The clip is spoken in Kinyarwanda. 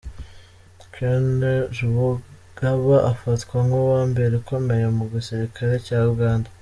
Kainerugaba afatwa nk’uwa mbere ukomeye mu gisirikare cya Uganda.